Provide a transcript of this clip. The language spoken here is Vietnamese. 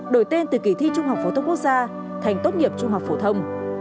đổi tên từ kỳ thi trung học phổ thông quốc gia thành tốt nghiệp trung học phổ thông